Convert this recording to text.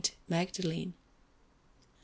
Magdalene.